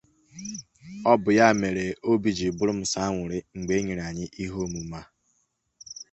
ma rụọ àkwà atọ na ya